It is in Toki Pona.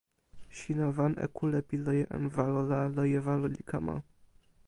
sina wan e kule pi loje en walo la loje walo li kama.